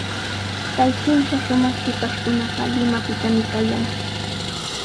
Kay kimsa shumaq shipashkunaqa Limapitami kayan.